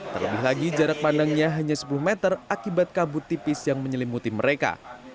terlebih lagi jarak pandangnya hanya sepuluh meter akibat kabut tipis yang menyelimuti mereka